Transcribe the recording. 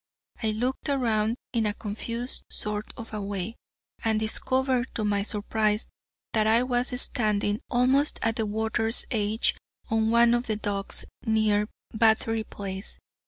I looked around in a confused sort of a way, and discovered, to my surprise, that I was standing almost at the water's edge on one of the docks near Battery Place.